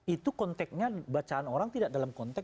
itu konteknya bacaan orang tidak dalam konteks